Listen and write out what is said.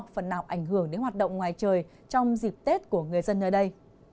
phần nào ảnh hưởng đến hoạt động ngoài trời trong dịp tết của người dân nơi đây